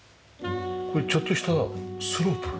これちょっとしたスロープ？